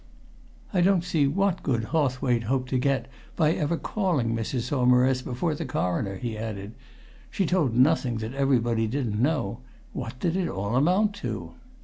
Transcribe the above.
"I don't see what good Hawthwaite hoped to get by ever calling Mrs. Saumarez before the Coroner," he added. "She told nothing that everybody didn't know. What did it all amount to?"